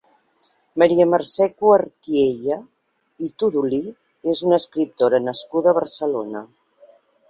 Maria Mercè Cuartiella i Todolí és una escriptora nascuda a Barcelona.